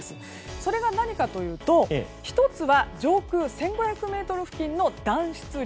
それが何かというと１つは上空１５００ｍ付近の暖湿流。